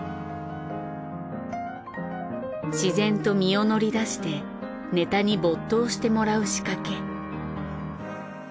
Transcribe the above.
しぜんと身を乗り出してネタに没頭してもらう仕掛け。